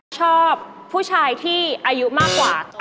ชอบผู้ชายที่อายุมากกว่า